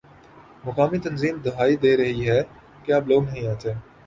مقامی تنظیم دہائی دے رہی ہے کہ اب لوگ نہیں آتے